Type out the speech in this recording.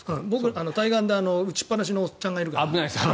対岸に打ちっぱなしのおっちゃんがいるから。